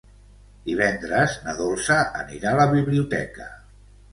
Divendres na Dolça anirà a la biblioteca.